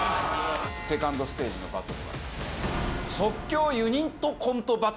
セカンドステージのバトルはですねえ